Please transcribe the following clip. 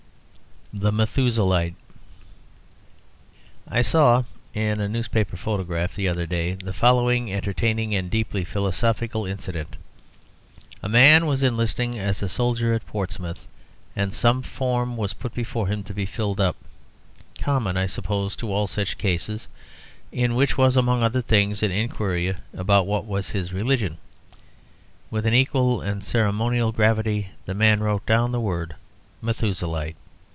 THE METHUSELAHITE I Saw in a newspaper paragraph the other day the following entertaining and deeply philosophical incident. A man was enlisting as a soldier at Portsmouth, and some form was put before him to be filled up, common, I suppose, to all such cases, in which was, among other things, an inquiry about what was his religion. With an equal and ceremonial gravity the man wrote down the word "Methuselahite."